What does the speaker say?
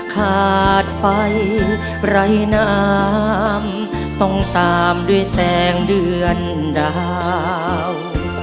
ขาดไฟไร้น้ำต้องตามด้วยแสงเดือนดาว